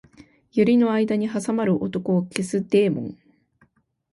百合の間に挟まる男を消すデーモン